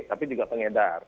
tapi juga pengedar